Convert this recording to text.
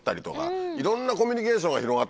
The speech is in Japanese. いろんなコミュニケーションが広がったんじゃない？